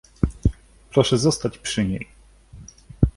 "Proszę zostać przy niej!"